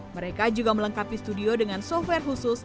mereka juga melengkapi studio dengan software khusus